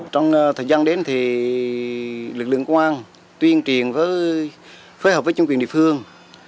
trong thời gian đến thì lực lượng quân an tuyên truyền với phối hợp với chung quyền địa phương